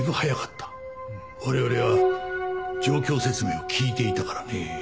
我々は状況説明を聞いていたからね。